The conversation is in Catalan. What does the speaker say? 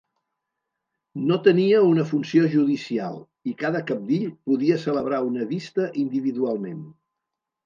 No tenia una funció judicial, i cada cabdill podia celebrar una vista individualment.